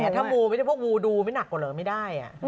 แต่ถ้ามูไม่ได้พวกงูดูไม่หนักกว่าเหรอไม่ได้